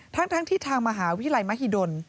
ทั้งที่ทางมหาวิทยาลัยมหิดล